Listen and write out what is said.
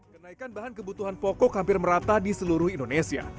kenaikan bahan kebutuhan pokok hampir merata di seluruh indonesia